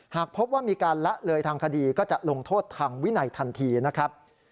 หากพบว่ามีการละเลยทางคดีก็จะลงโทษทางวินัยทันทีนะครับ